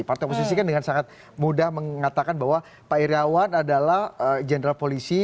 partai oposisi kan dengan sangat mudah mengatakan bahwa pak iryawan adalah general polisi